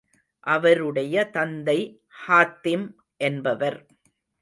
அவருடைய தந்தை ஹாத்திம் என்பவர்.